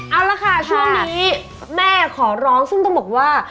เอาละค่ะช่วงนี้แม่ขอร้องซึ่งต้องบอกว่า